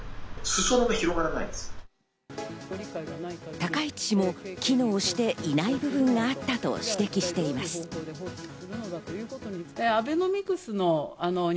高市氏も機能していない部分があったと指摘しています。